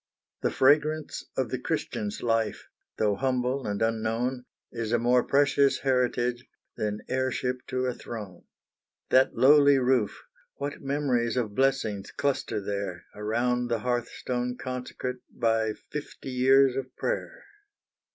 The fragrance of the Christian's life, Though humble and unknown, Is a more precious heritage Than heirship to a throne. That lowly roof what memories Of blessings cluster there, Around the hearthstone consecrate By fifty years of prayer!